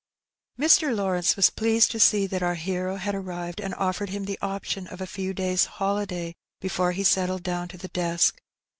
Mr. Lawrence was pleased to see that our hero had arrived, and offered him the option of a few days' holiday before he settled down to the desk.